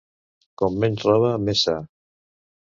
Com menys roba, més sa.